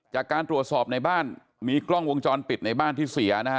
จากการตรวจสอบในบ้านมีกล้องวงจรปิดในบ้านที่เสียนะฮะ